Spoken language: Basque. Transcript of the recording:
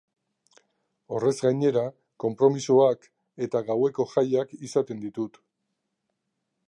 Horrez gainera, konpromisoak eta gaueko jaiak izaten ditut.